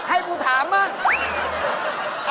ให้กูถามมา